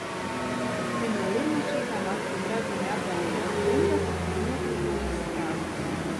Te no lidmašīnām, acīmredzami, atdalījās bumbas, kas nokrita un izsprāga.